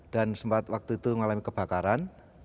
dan sempat waktu itu mengalami kebakaran